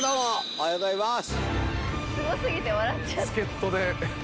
おはようございます。